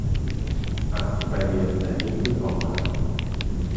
อ่ะ ไปเรียน แต่นี่เพิ่งออกมา